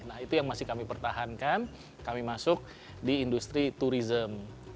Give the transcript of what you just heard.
nah itu yang masih kami pertahankan kami masuk di industri turisme